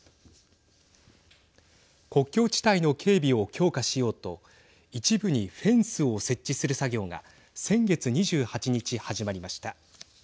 国境地帯の警備を強化しようと一部にフェンスを設置する作業が先月２８日、始まりました。